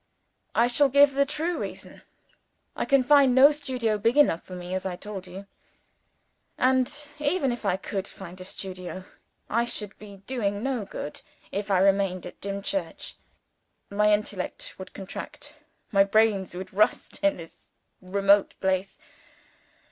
"I shall give the true reason. I can find no studio here big enough for me as I have told you. And, even if I could find a studio, I should be doing no good, if I remained at Dimchurch. My intellect would contract, my brains would rust, in this remote place.